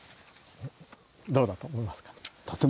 どうだと思いますか？